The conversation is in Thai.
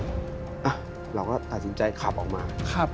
อ่ะเราก็อาจสินใจขับออกมา